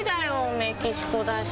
メキシコだし。